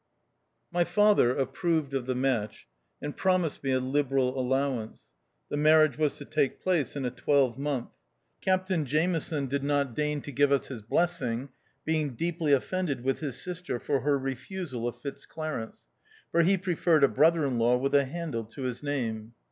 My father approved of the match, and pro mised me a liberal allowance. The marriage was to take place in a twelvemonth. Cap tain Jameson did not deign to give us his blessing, being deeply offended with his sister for her refusal of Fitzclarence, for he preferred a brother in law with a handle to his name.